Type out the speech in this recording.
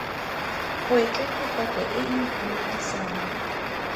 Gwetla ke paka e e itumedisang.